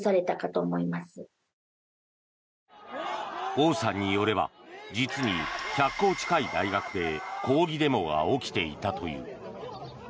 オウさんによれば実に１００校近い大学で抗議デモが起きていたという。